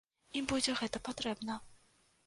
Ім будзе гэта патрэбна.